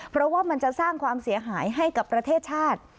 เพราะว่ามันจะสร้างความเสียหายให้กับประเทศชาติ